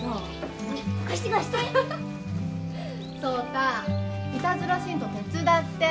颯太いたずらしんと手伝って。